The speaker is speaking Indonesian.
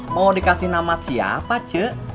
mau dikasih nama siapa c